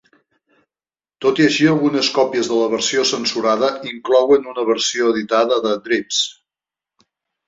Tot i així, algunes còpies de la versió censurada inclouen una versió editada de "Drips".